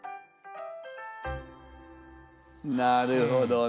なるほどね。